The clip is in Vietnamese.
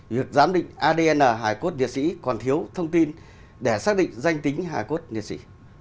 việc giám định adn hải cốt liệt sĩ còn thiếu thông tin để xác định danh tính hải cốt liệt sĩ